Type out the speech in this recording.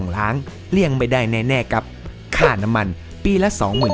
ยังไม่ได้แน่กับค่าน้ำมันปีละ๒๔๐๐๐